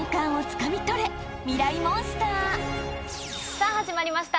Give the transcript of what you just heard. さあ始まりました